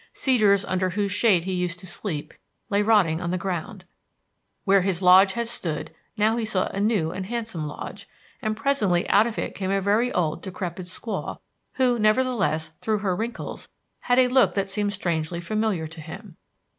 Cedars under whose shade he used to sleep lay rotting on the ground. Where his lodge had stood now he saw a new and handsome lodge, and presently out of it came a very old decrepit squaw who, nevertheless, through her wrinkles, had a look that seemed strangely familiar to him.